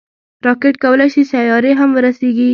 راکټ کولی شي سیارې هم ورسیږي